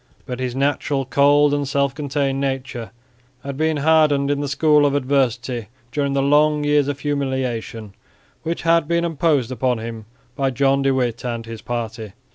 But his naturally cold and self contained nature had been hardened in the school of adversity during the long years of humiliation which had been imposed upon him by John de Witt and his party.